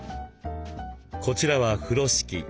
こちらは風呂敷。